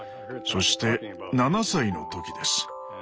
そして７歳の時です。